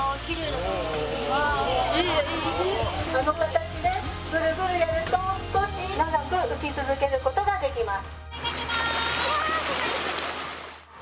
・その形でぐるぐるやると少し長く浮き続けることができます。